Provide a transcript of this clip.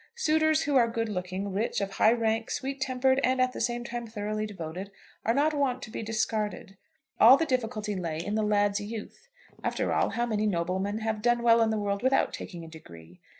Suitors who are good looking, rich, of high rank, sweet tempered, and at the same time thoroughly devoted, are not wont to be discarded. All the difficulty lay in the lad's youth. After all, how many noblemen have done well in the world without taking a degree?